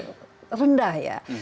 dan ini paling rendah ya